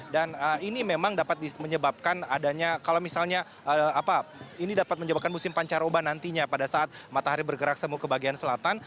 dan ini memang dapat menyebabkan adanya kalau misalnya ini dapat menyebabkan musim pancar oba nantinya pada saat matahari bergerak semu ke bagian selatan